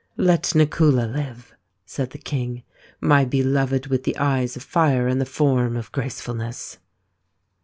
" Let Nakula live," said the king, " my beloved with the eyes of fire and the form of gracefulness."